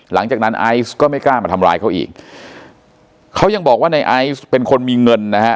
หลังจากนั้นไอซ์ก็ไม่กล้ามาทำร้ายเขาอีกเขายังบอกว่าในไอซ์เป็นคนมีเงินนะฮะ